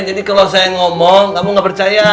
jadi kalau saya ngomong kamu gak percaya